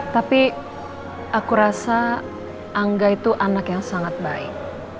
tapi aku rasa angga itu anak yang sangat baik